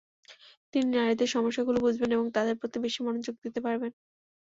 তিনি নারীদের সমস্যাগুলো বুঝবেন এবং তাঁদের প্রতি বেশি মনোযোগ দিতে পারবেন।